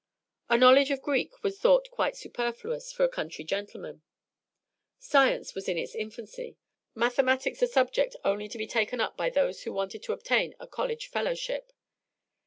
A knowledge of Greek was thought quite superfluous for a country gentleman. Science was in its infancy, mathematics a subject only to be taken up by those who wanted to obtain a college fellowship.